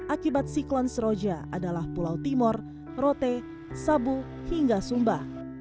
akibat siklon seroja adalah pulau timur rote sabu hingga sumba